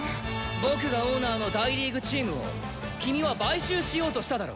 僕がオーナーの大リーグチームを君は買収しようとしただろ！